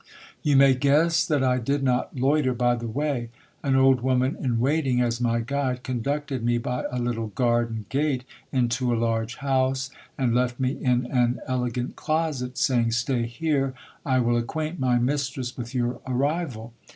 You may guess that I did not loiter by the way. An old woman in waiting, as my guide, conducted me by a little garden gate into a large house, and left me in an elegant closet, saying — Stay here, I will acquaint my mistress with your arrival.